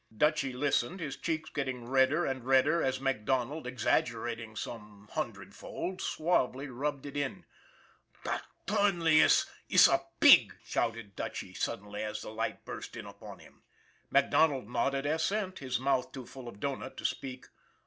Dutchy listened, his cheeks getting redder and THE REBATE 295 redder as MacDonald, exaggerating some hundred fold, suavely rubbed it in. " Dot Thornley iss iss a pig !" shouted Dutchy suddenly, as the light burst in upon him. MacDonald nodded assent, his mouth too full of doughnut to speak.